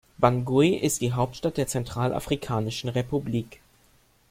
Bangui ist die Hauptstadt der Zentralafrikanischen Republik.